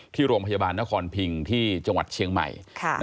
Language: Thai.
ที่โรงพยาบาลนครพิงที่จังหวัดเชียงใหม่